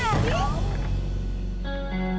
dirinya udah rusak gini belnya